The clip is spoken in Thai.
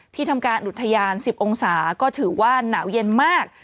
ทำการอุทยาน๑๐องศาก็ถือว่าหนาวเย็นมาก